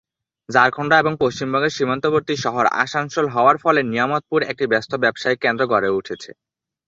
ঝাড়খণ্ড এবং পশ্চিমবঙ্গের সীমান্তবর্তী শহর আসানসোল হওয়ার ফলে নিয়ামতপুর একটি ব্যস্ত ব্যবসায়িক কেন্দ্র গড়ে উঠেছে।